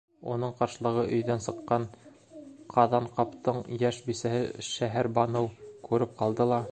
Уны ҡаршылағы өйҙән сыҡҡан Ҡаҙанҡаптың йәш бисәһе Шәһәрбаныу күреп ҡалды ла: